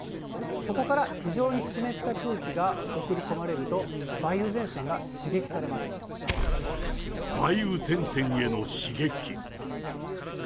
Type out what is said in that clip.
そこから非常に湿った空気が送り込まれると、梅雨前線が刺激され梅雨前線への刺激。